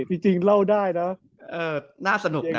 เอ้ยจริงเล่าได้น่ะเอ่อน่าสนุกน่ะ